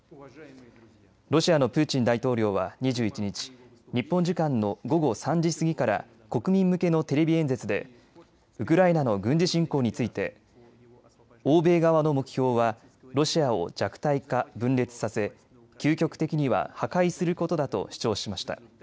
ロシアのプーチン大統領は２１日、日本時間の午後３時過ぎから国民向けのテレビ演説でウクライナの軍事侵攻について欧米側の目標はロシアを弱体化、分裂させ究極的には破壊することだと主張しました。